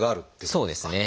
そうですね。